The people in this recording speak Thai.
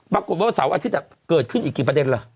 ปรากฏว่าเสาร์อาทิตย์อ่ะเกิดขึ้นอีกกี่ประเด็นเหรอ